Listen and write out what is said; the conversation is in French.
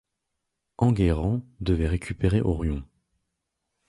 Enguerrand devait récupérer Orion.